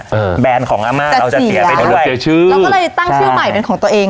แบรนด์ของอาม่าเราจะเสียไปในรถเสียชื่อเราก็เลยตั้งชื่อใหม่เป็นของตัวเอง